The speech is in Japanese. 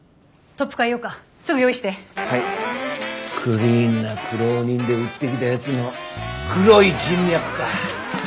クリーンな苦労人で売ってきたヤツの黒い人脈か。